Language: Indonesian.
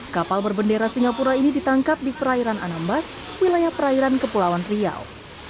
kapal berbendera singapura ini ditangkap di perairan anambas wilayah perairan kepulauan riau